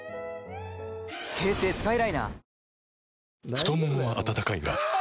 太ももは温かいがあ！